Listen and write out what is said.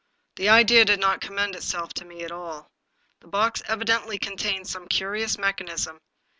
The idea did not commend itself to me at all. The box evi dently contained some curious mechanism.